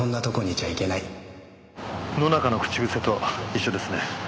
野中の口癖と一緒ですね。